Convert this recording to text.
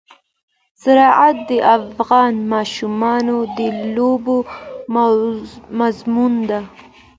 زراعت د افغان ماشومانو د لوبو موضوع ده.